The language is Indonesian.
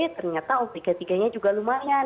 ternyata obliga tiga nya juga lumayan